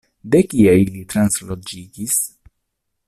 De kie ili transloĝigis?